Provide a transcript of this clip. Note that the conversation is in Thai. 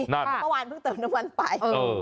เมื่อวานเพิ่งเติมน้ำมันไป